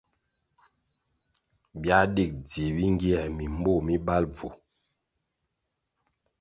Biā dig dzih bingiē mimboh mi bal bvu.